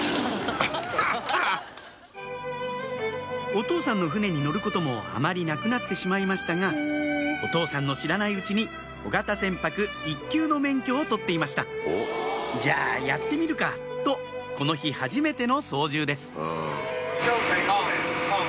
お父さんの船に乗ることもあまりなくなってしまいましたがお父さんの知らないうちに小型船舶１級の免許を取っていましたじゃあやってみるか！とこの日はじめての操縦です